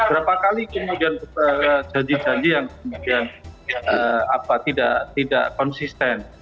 berapa kali kemudian berjaji jaji yang kemudian tidak konsisten